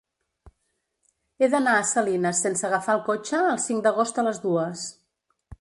He d'anar a Salines sense agafar el cotxe el cinc d'agost a les dues.